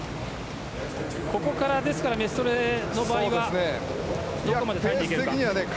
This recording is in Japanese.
ここから、メストレの場合はどこまで耐えていけるか。